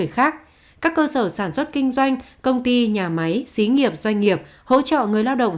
khác các cơ sở sản xuất kinh doanh công ty nhà máy xí nghiệp doanh nghiệp hỗ trợ người lao động